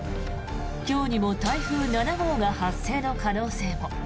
今日にも台風７号が発生の可能性も。